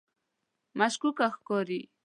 مشکوکه ښکاري.